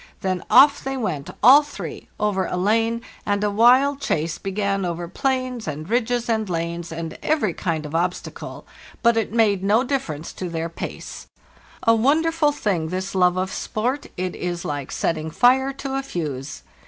Then off they went, all three, over a lane, and a wild chase began over plains and ridges and lanes and every kind of obstacle, but it made no difference to BY SLEDGE AND KAYAK ul their pace. A wonderful thing this love of sport; it is like setting fire to a fuse.